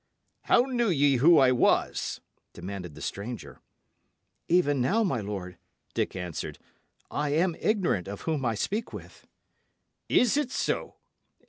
"How knew ye who I was?" demanded the stranger. "Even now, my lord," Dick answered, "I am ignorant of whom I speak with." "Is it so?"